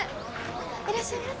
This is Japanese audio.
いらっしゃいませ。